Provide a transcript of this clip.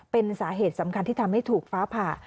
เป็นสาเหตุสำคัญที่ทำให้ถูกฟ้าผ่า